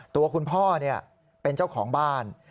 ตัวคุณพ่อเป็นเจ้าของบ้าน